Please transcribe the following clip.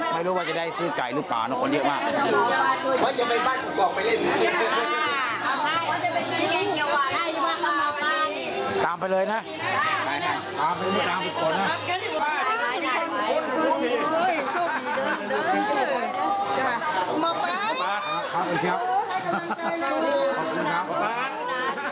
ไม่รู้ว่าจะได้ซื้อไก่ลูกปลานะคนเยอะมาก